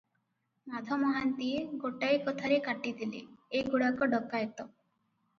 ମାଧ ମହାନ୍ତିଏ ଗୋଟାଏ କଥାରେ କାଟିଦେଲେ -ଏ ଗୁଡ଼ାକ ଡକାଏତ ।